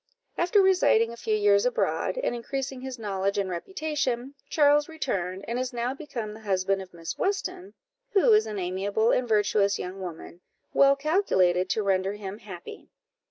After residing a few years abroad, and increasing his knowledge and reputation, Charles returned, and is now become the husband of Miss Weston, who is an amiable and virtuous young woman, well calculated to render him happy.